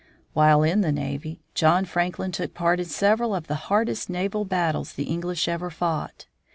While in the navy, John Franklin took part in several of the hardest naval battles the English ever fought.